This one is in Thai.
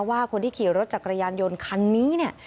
ว่าคนที่ขี่รถจักรยานยนต์คันนี้เนี่ย